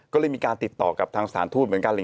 ก็เลยมีการติดต่อกับทางสถานทูตเหมือนกัน